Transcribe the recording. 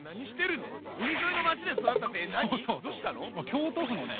京都府のね